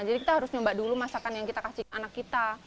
jadi kita harus nyoba dulu masakan yang kita kasih anak kita